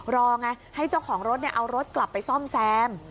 รอไงให้เจ้าของรถเอารถกลับไปซ่อมแซม